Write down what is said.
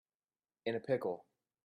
In a pickle